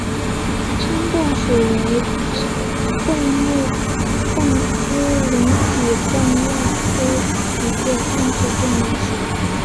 蛏蚌属为蚌目蚌科隆嵴蚌亚科一个淡水动物的属。